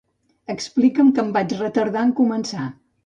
Expliquen que em vaig retardar en començar.